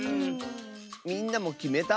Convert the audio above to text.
みんなもきめた？